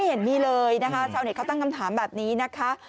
เห็นมีเลยนะคะชาวเน็ตเขาตั้งคำถามแบบนี้นะคะ